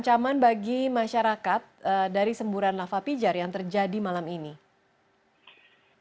ancaman bagi masyarakat dari semburan lava pijar yang terjadi malam ini